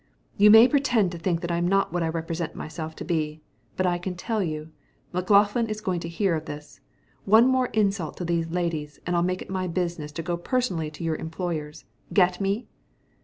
"You may pretend to think that I'm not what I represent myself to be, but let me tell you, McLaughlin is going to hear of this. One more insult to these ladies and I'll make it my business to go personally to your employers. Get me?"